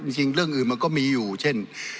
จริงเรื่องอื่นมันก็มีอยู่เช่น